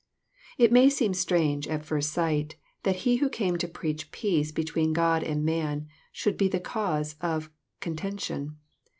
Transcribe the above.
It may seem strange, at first sight, that He who came to preach peace between God and man should be the cause of conten. tion.